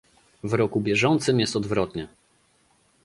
W roku bieżącym jest odwrotnie